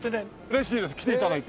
嬉しいです来て頂いて。